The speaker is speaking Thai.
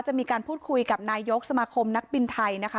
จะมีการพูดคุยกับนายกสมาคมนักบินไทยนะคะ